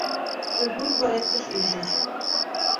Культур дворецыш ӱжыч.